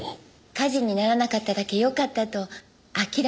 火事にならなかっただけよかったと諦めているんです。